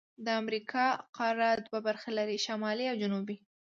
د امریکا قاره دوه برخې لري: شمالي او جنوبي.